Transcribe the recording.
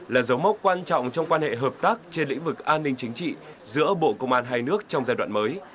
là dấu mốc quan trọng trong quan hệ hợp tác trên lĩnh vực an ninh chính trị giữa bộ công an hai nước trong giai đoạn mới